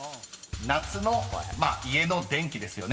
［夏の家の電気ですよね］